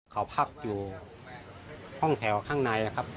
เขาพักอยู่ห้องแถวข้างในนะครับ